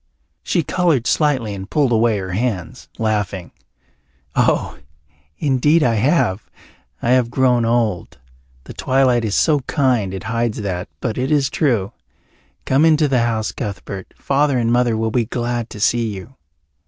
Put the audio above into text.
She coloured slightly and pulled away her hands, laughing. "Oh, indeed I have. I have grown old. The twilight is so kind it hides that, but it is true. Come into the house, Cuthbert. Father and Mother will be glad to see you."